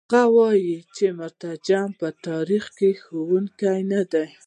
هغه وايي چې مترجم د تاریخ ښوونکی نه دی.